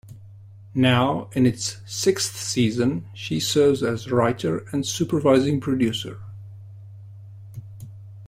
Now, in its sixth season, she serves as writer and supervising producer.